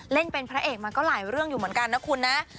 เล่นเป็นพระเอกมาก็หลายเรื่องอยู่เหมือนกันนะคุณนะ